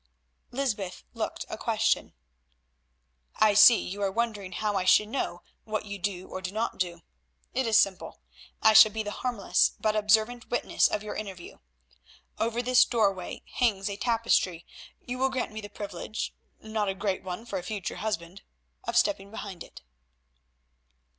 Lysbeth looked a question. "I see you are wondering how I should know what you do or do not do. It is simple. I shall be the harmless but observant witness of your interview. Over this doorway hangs a tapestry; you will grant me the privilege—not a great one for a future husband—of stepping behind it."